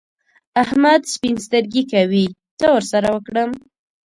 احمد سپين سترګي کوي؛ څه ور سره وکړم؟!